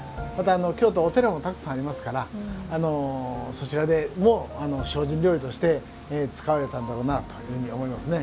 京都、お寺もたくさんありますからそちらでも精進料理として使われたんだろうなというふうに思いますね。